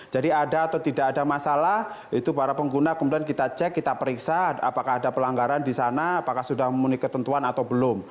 jadi ada atau tidak ada masalah itu para pengguna kemudian kita cek kita periksa apakah ada pelanggaran di sana apakah sudah memenuhi ketentuan atau belum